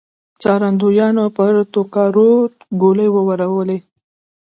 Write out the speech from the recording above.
څارندويانو پر توندکارو ګولۍ وورولې.